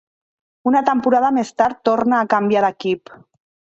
Una temporada més tard torna a canviar d'equip.